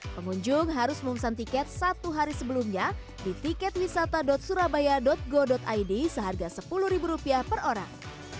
pengunjung harus memesan tiket satu hari sebelumnya di tiketwisata surabaya go id seharga sepuluh ribu rupiah per orang